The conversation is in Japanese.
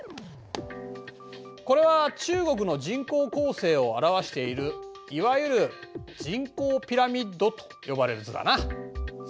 これは中国の人口構成を表しているいわゆる人口ピラミッドと呼ばれる図だな。